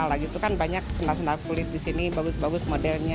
lagi itu kan banyak senar senar kulit di sini bagus bagus modelnya